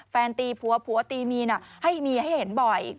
แฟนตีผัวผัวตีมีนให้เห็นบ่อย